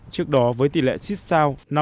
trước đó với tỷ lệ sissao